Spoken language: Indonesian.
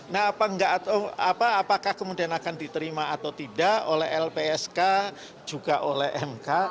nah apakah kemudian akan diterima atau tidak oleh lpsk juga oleh mk